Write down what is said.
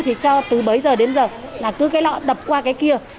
thì cho từ bấy giờ đến giờ là cứ cái lọ đập qua cái kia